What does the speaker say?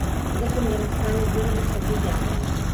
Гэтым яны самі вырылі сабе яму.